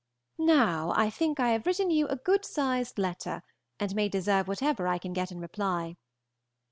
Now I think I have written you a good sized letter, and may deserve whatever I can get in reply.